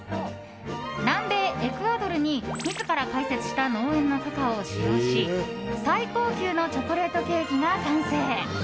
南米エクアドルに自ら開設した農園のカカオを使用し最高級のチョコレートケーキが完成。